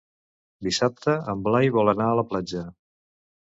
Dissabte en Blai vol anar a la platja.